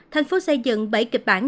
thành phố xây dựng bảy kịch bản